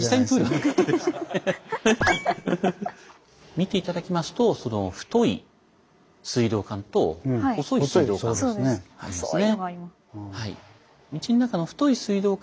見て頂きますと太い水道管と細い水道管ありますね。